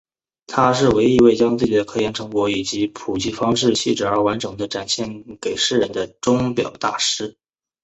他是唯一一位将自己的科研成果以普及方式细致而完整地展现给世人的钟表大师。